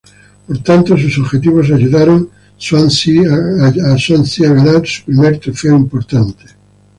Por tanto, sus objetivos ayudaron Swansea ganar su primer trofeo importante.